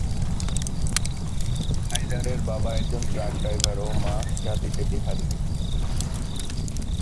হায়দারের বাবা একজন truck driver ও মা জাতিতে বিহারি।